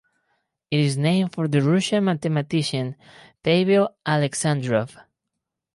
It is named for the Russian mathematician Pavel Alexandrov.